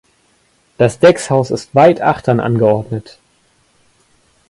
Das Deckshaus ist weit achtern angeordnet.